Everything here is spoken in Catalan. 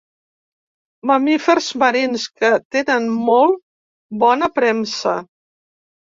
Mamífers marins que tenen molt bona premsa.